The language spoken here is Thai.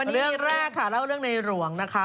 เรื่องแรกค่ะเล่าเรื่องในหลวงนะคะ